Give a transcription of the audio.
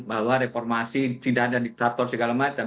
bahwa reformasi tidak ada diktator segala macam